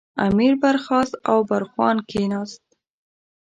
امیر برخاست او برخوان کېناست.